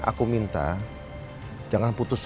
aku minta jangan putus